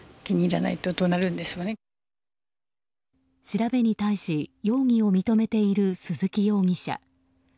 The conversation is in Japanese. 調べに対し、容疑を認めている鈴木容疑者。